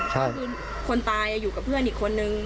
ก็คือคนตายอยู่กับเพื่อนอีกคนนึง